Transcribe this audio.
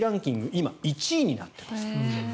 今、１位になっています。